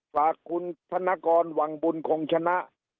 ฝากคุณธนกรวังบุญคงชนะ